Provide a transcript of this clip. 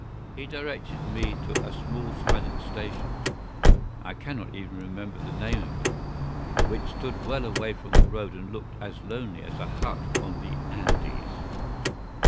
He directed me to a small silent station (I cannot even remember the name of it) which stood well away from the road and looked as lonely as a hut on the Andes.